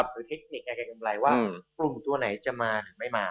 เทคนิคการเกณฑ์กำไรว่ากลุ่มตัวไหนจะมาหรือไม่มา